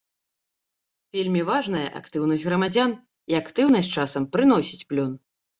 Вельмі важная актыўнасць грамадзян і актыўнасць часам прыносіць плён.